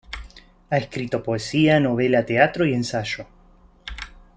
Ha escrito poesía, novela, teatro y ensayo.